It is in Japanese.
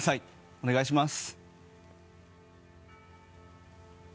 お願いします。